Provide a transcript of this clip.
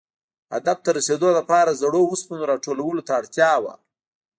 هدف ته رسېدو لپاره زړو اوسپنو را ټولولو ته اړتیا وه.